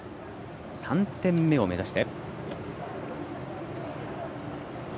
３点目を目指して。